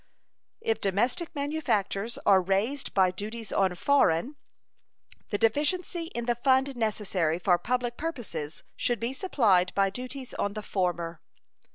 If domestic manufactures are raised by duties on foreign, the deficiency in the fund necessary for public purposes should be supplied by duties on the former.